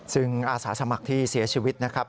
ซึ่งอาสาสมัครที่เสียชีวิตนะครับ